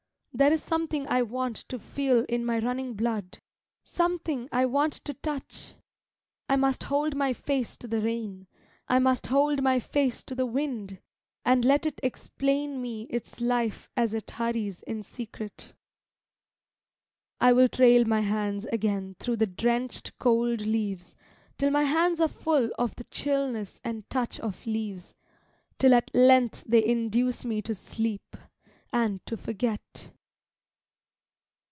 There is something I want to feel in my running blood, Something I want to touch; I must hold my face to the rain, I must hold my face to the wind, and let it explain Me its life as it hurries in secret. I will trail my hands again through the drenched, cold leaves Till my hands are full of the chillness and touch of leaves, Till at length they induce me to sleep, and to forget.